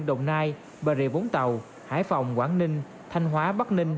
đồng nai bà rịa vũng tàu hải phòng quảng ninh thanh hóa bắc ninh